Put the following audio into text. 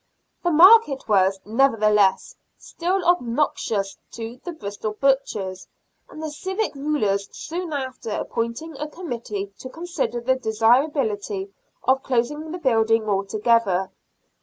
The market was, nevertheless, still obnoxious to the Bristol butchers, and the civic rulers soon after appointed a committee to consider the desirability of closing the building altogether.